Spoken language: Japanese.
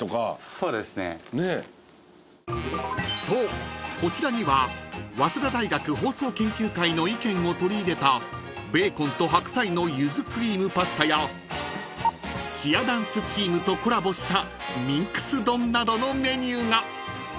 ［そうこちらには早稲田大学放送研究会の意見を取り入れたベーコンと白菜のゆずクリームパスタやチアダンスチームとコラボしたＭＹＮＸ丼などのメニューが］